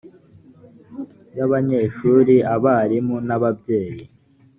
y abanyeshuri abarimu n ababyeyi